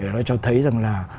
nó cho thấy rằng là